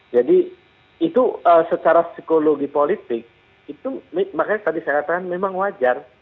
jadi itu secara psikologi politik itu makanya tadi saya katakan memang wajar